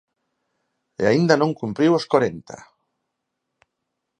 E aínda non cumpriu os corenta.